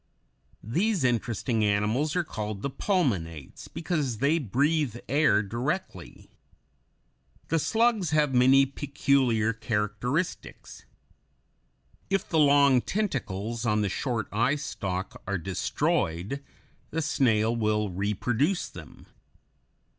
These interesting animals are called pulmonates because they breathe air directly. The slugs (Fig. 110) have many peculiar characteristics. If the long tentacles on the short eye stalk are destroyed, the snail will reproduce them.